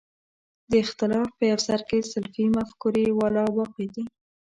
د اختلاف په یو سر کې سلفي مفکورې والا واقع دي.